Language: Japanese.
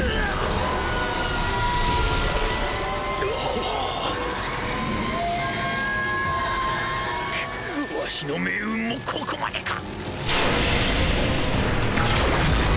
くっわしの命運もここまでか！